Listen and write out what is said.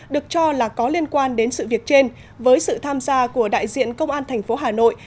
được cho là có liên quan đến sự việc trên với sự tham gia của đại diện công an thành phố hà nội